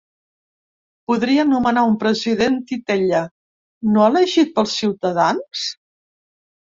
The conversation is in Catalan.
Podria nomenar un president titella, no elegit pels ciutadans?